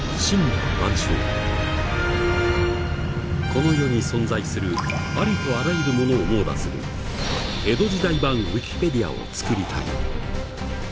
この世に存在するありとあらゆるものを網羅する江戸時代版Ｗｉｋｉｐｅｄｉａを作りたい。